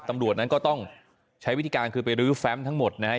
ตำรวจนั้นก็ต้องใช้วิธีการคือไปรื้อแฟมทั้งหมดนะฮะ